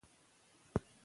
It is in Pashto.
زحمت د راحت کیلي ده.